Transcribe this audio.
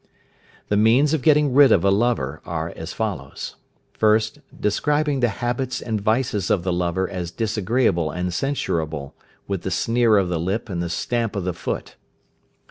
The means of getting rid of a lover are as follows: 1st. Describing the habits and vices of the lover as disagreeable and censurable, with the sneer of the lip, and the stamp of the foot.